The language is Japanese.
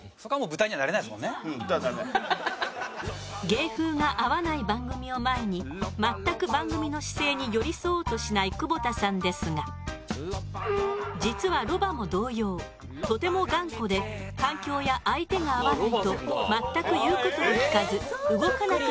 芸風が合わない番組を前に全く番組の姿勢に寄り添おうとしない久保田さんですが実はロバも同様とても頑固で環境や相手が合わないと全く言う事を聞かず動かなくなるのです。